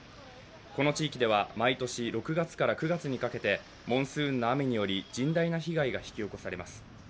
この地域では毎年６月から９月にかけてモンスーンの雨により甚大な被害が引き起こされます。